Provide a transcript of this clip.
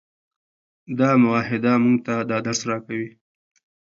دا معاهده موږ ته دا درس راکوي.